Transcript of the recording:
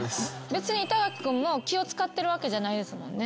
別に板垣君も気を使ってるわけじゃないですもんね？